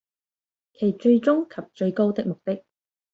其最終及最高的目的